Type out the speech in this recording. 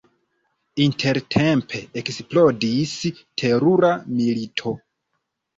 Intertempe eksplodis terura milito.